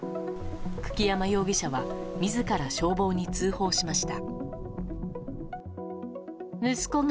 久木山容疑者は自ら消防に通報しました。